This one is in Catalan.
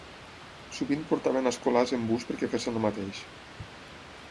Sovint portaven escolars en bus perquè fessin el mateix.